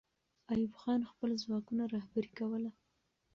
ایوب خان خپل ځواکونه رهبري کوله.